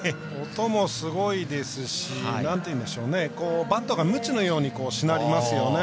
音もすごいですしバットがムチのようにしなりますよね。